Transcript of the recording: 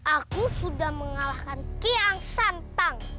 aku sudah mengalahkan kiang santang